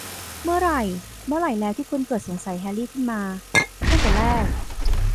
เมื่อไหร่ เมื่อไหร่แล้วที่คุณเกิดสงสัยแฮรรี่ขึ้นมาตั้งแต่แรก ?